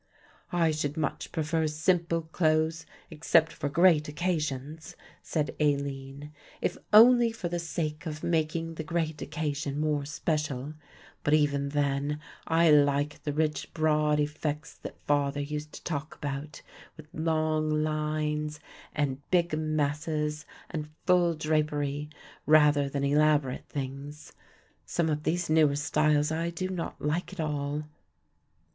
"I should much prefer simple clothes except for great occasions," said Aline, "if only for the sake of making the great occasion more special; but even then I like the rich broad effects that father used to talk about with long lines and big masses and full drapery rather than elaborate things. Some of these newer styles I do not like at all."